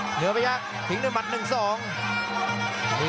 เหนือไปยักษ์แผงให้มัตดี๑๒